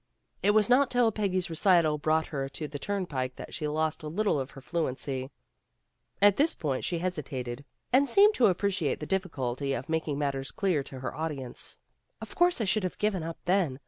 It was not till Peggy's recital brought her to the turnpike that she lost a little of her fluency. At this point she hesitated and seemed to ap 308 PEGGY RAYMOND'S WAY predate the difficulty of making matters clear to her audience. "Of course I should have given up then.